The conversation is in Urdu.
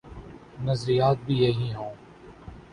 نظریات بھی یہی ہوں۔